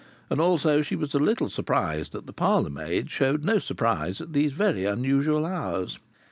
And also she was a little surprised that the parlour maid showed no surprise at these very unusual hours.